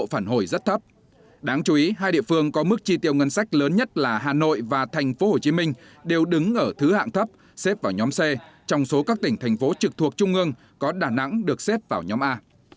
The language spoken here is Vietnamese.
hà nội và thành phố hồ chí minh đều đứng ở thứ hạng thấp xếp vào nhóm c trong số các tỉnh thành phố trực thuộc trung ương có đà nẵng được xếp vào nhóm a